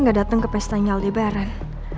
gue gak dateng ke pesta aldebaran